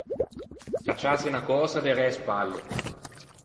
Cacciâse unna cösa derê a-e spalle.